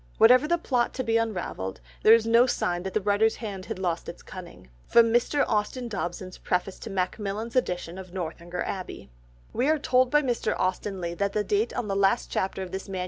Whatever the plot to be unravelled, there is no sign that the writer's hand had lost its cunning." (Mr. Austin Dobson's preface to Macmillan's edition of Northanger Abbey.) We are told by Mr. Austen Leigh that the date on the last chapter of this MS.